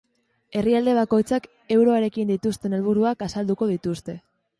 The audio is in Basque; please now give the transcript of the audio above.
Herrialde bakoitzak euroarekin dituzten helburuak azalduko dituzte.